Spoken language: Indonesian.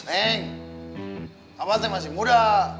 neng apa neng masih muda